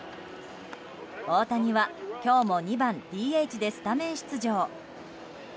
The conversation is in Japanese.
大谷は今日も２番ＤＨでスタメン出場。